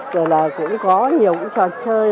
rồi là cũng có nhiều trò chơi